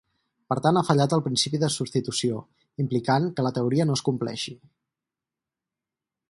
Per tant ha fallat el principi de substitució, implicant que la teoria no es compleixi.